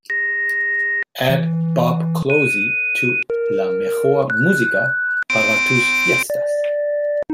add bob klose to la mejor música para tus fiestas